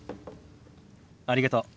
ありがとう。